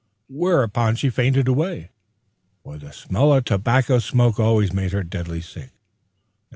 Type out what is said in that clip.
Whereupon she fainted away; for the smell of tobacco smoke always made her deadly sick.